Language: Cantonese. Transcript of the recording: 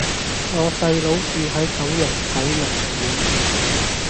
我細佬住喺九龍仔龍苑